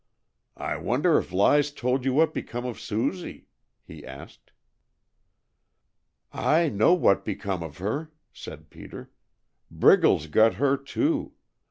"I wonder if Lize told you what become of Susie?" he asked. "I know what become of her," said Peter. "Briggles got her, too.